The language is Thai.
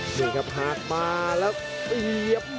นี่ครับหากมาแล้วเสียบ